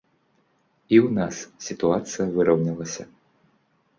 І ў нас сітуацыя выраўнялася.